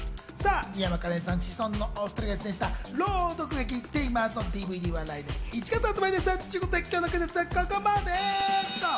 美山加恋さん、シソンヌのお２人が出演した朗読劇『ＴＡＭＥＲＳ』のＤＶＤは来年１月発売ということで今日のクイズッスはここまで。